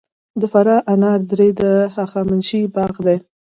د فراه انار درې د هخامنشي باغ دی